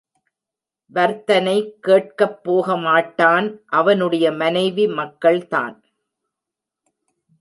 வர்த்தனை கேட்கப் போகமாட்டான் அவனுடைய மனைவி மக்கள் தான்.